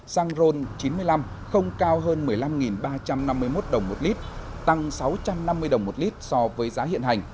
xăng ron chín mươi năm không cao hơn một mươi năm ba trăm năm mươi một đồng một lít tăng sáu trăm năm mươi đồng một lít so với giá hiện hành